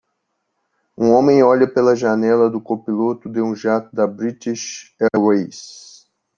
Um homem olha pela janela do copiloto de um jato da British Airways